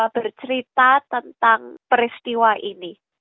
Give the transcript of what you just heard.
bercerita tentang peristiwa ini